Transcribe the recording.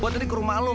buat nanti kerumah lu